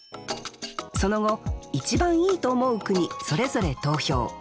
その後一番良いと思う句にそれぞれ投票。